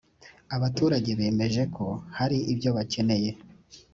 abaturage bemeje ko hari ibyobakeneye.